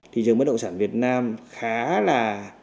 thị trường bất động sản việt nam khá là